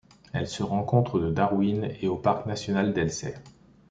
Elle se rencontre de Darwin et au parc national d'Elsey.